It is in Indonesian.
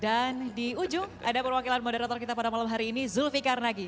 dan di ujung ada perwakilan moderator kita pada malam hari ini zulfi karnagi